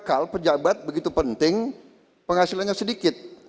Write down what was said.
karena pejabat begitu penting penghasilannya sedikit